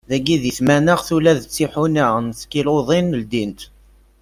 Dagi di tmanaɣt ula d tiḥuna n tkiluḍin ldint.